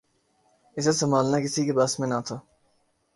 اسے سنبھالنا کسی کے بس میں نہ تھا